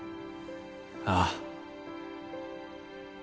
ああ。